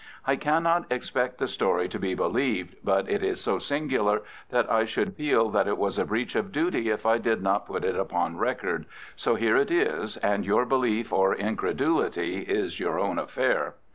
I cannot expect the story to be believed, but it is so singular that I should feel that it was a breach of duty if I did not put it upon record—so here it is, and your belief or incredulity is your own affair.